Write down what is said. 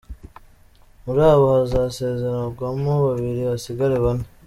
Muri aba hazasezererwamo babiri hasigare bane.